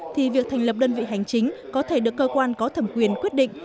thì việc thành lập đơn vị hành chính có thể được cơ quan có thẩm quyền quyết định